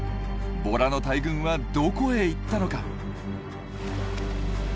ボラの大群はどこへ行ったのか？